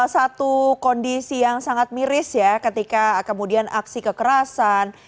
satu kondisi yang sangat miris ya ketika kemudian aksi kekerasan